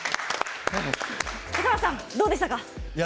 笠松さん、どうでしたか？